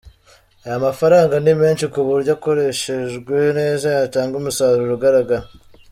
Aya mafaranga ni menshi ku buryo akoreshejwe neza yatanga umusaruro ugaragara.